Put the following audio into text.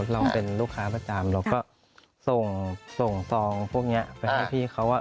เราเป็นลูกค้าประจำเราก็ส่งซองพวกนี้ไปให้พี่เขา